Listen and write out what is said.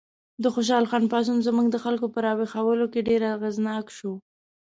د خوشحال خان پاڅون زموږ د خلکو په راویښولو کې ډېر اغېزناک شو.